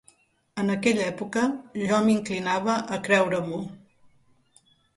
En aquella època jo m'inclinava a creure-m'ho